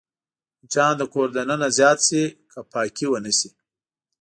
مچان د کور دننه زیات شي که پاکي ونه شي